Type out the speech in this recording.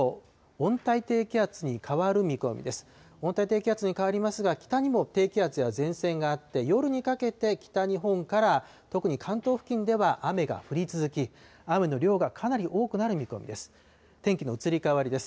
温帯低気圧に変わりますが、北にも低気圧や前線があって、夜にかけて北日本から特に関東付近では雨が降り続き、雨の量がかなり多くなる見込みです。